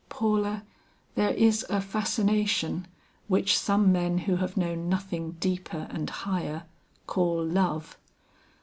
"Paula, there is a fascination, which some men who have known nothing deeper and higher, call love.